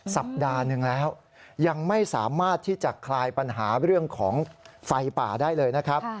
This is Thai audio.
สัปดาห์หนึ่งแล้วยังไม่สามารถที่จะคลายปัญหาเรื่องของไฟป่าได้เลยนะครับ